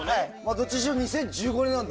どっちにしろ２０１５年なんだ。